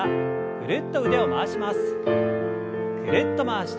ぐるっと回して。